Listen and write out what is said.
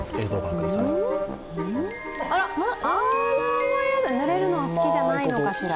あら、あらぬれるのが好きじゃないのかしら。